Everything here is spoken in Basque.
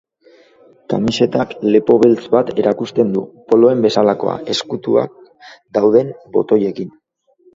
Kamisetak lepo beltz bat erakusten du, poloen bezalakoa, ezkutuak dauden botoiekin.